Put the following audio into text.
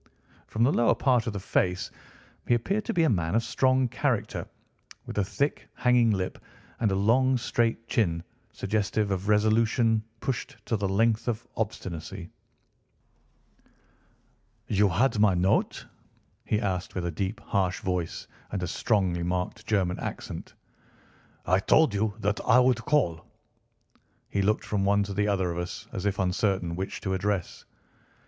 From the lower part of the face he appeared to be a man of strong character, with a thick, hanging lip, and a long, straight chin suggestive of resolution pushed to the length of obstinacy. "You had my note?" he asked with a deep harsh voice and a strongly marked German accent. "I told you that I would call." He looked from one to the other of us, as if uncertain which to address.